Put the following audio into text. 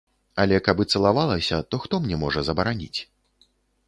Але каб і цалавалася, то хто мне можа забараніць?